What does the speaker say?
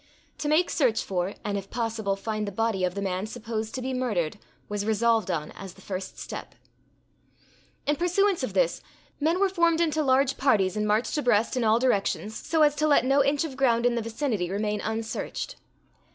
To make search for, and, if possible, find the body of the man supposed to be murdered, was resolved on as the first step.In pursuance of this, men were formed into large parties, and marched abreast, in all directions, so as to let no inch of ground in the vicinity remain unsearched.